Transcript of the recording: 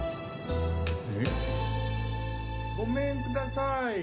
ごめんください！